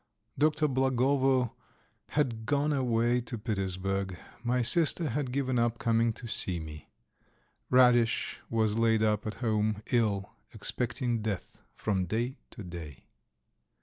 Dr. Blagovo had gone away to Petersburg. My sister had given up coming to see me. Radish was laid up at home ill, expecting death from day to day.